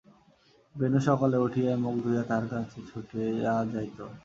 বেণু সকালে উঠিয়াই মুখ ধুইয়া তাহার কাছে ছুটিয়া যাইত।